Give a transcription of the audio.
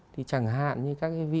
thì chẳng hạn như các cái vị